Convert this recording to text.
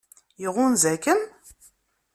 Iɣunza-kem?